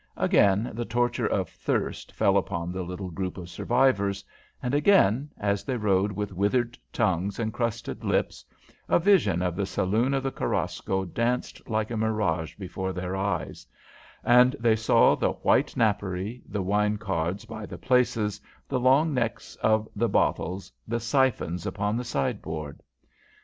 Again the torture of thirst fell upon the little group of survivors, and again, as they rode with withered tongues and crusted lips, a vision of the saloon of the Korosko danced like a mirage before their eyes, and they saw the white napery, the wine cards by the places, the long necks of the bottles, the siphons upon the sideboard.